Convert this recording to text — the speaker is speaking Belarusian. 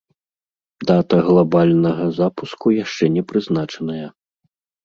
Дата глабальнага запуску яшчэ не прызначаная.